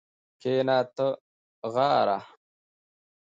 کښېنه تاغاره